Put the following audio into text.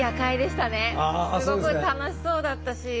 すごく楽しそうだったし。